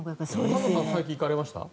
最近行かれました？